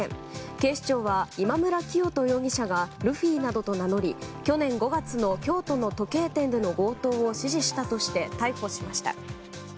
警視庁は今村磨人容疑者がルフィなどと名乗り去年５月の京都の時計店での強盗を指示したとして逮捕しました。